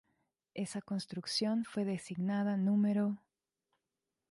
Esa construcción fue designada N°.